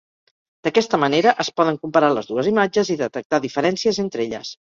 D'aquesta manera es poden comparar les dues imatges i detectar diferències entre elles.